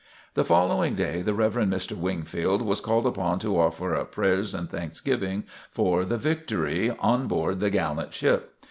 The following day the Rev. Mr. Wingfield was called upon to offer up prayers and thanksgiving for the victory, on board the gallant ship.